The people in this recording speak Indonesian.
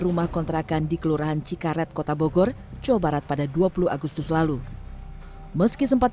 rumah kontrakan di kelurahan cikaret kota bogor jawa barat pada dua puluh agustus lalu meski sempat